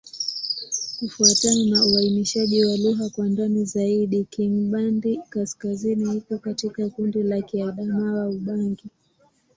Kufuatana na uainishaji wa lugha kwa ndani zaidi, Kingbandi-Kaskazini iko katika kundi la Kiadamawa-Ubangi.